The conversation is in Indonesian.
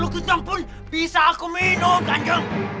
sepuluh gendong pun bisa aku minum kanjang